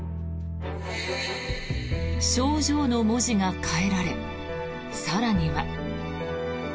賞状の文字が変えられ更には。